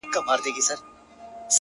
• نن یې رنګ د شګوفو بوی د سکروټو ,